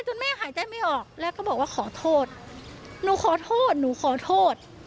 แม่หายใจไม่ออกแล้วก็บอกว่าขอโทษหนูขอโทษหนูขอโทษ